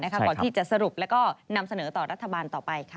ก่อนที่จะสรุปแล้วก็นำเสนอต่อรัฐบาลต่อไป